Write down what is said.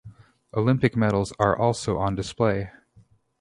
Olympic medals are also on display.